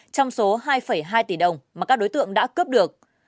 trong số hai hai tỷ đồng mà các đối tượng đã cướp được